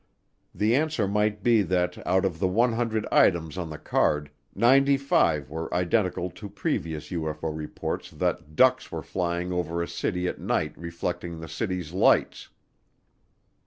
The answer might be that out of the one hundred items on the card, ninety five were identical to previous UFO reports that ducks were flying over a city at night reflecting the city's lights.